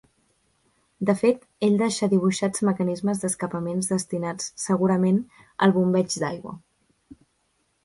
De fet ell deixà dibuixats mecanismes d'escapament destinats, segurament, al bombeig d'aigua.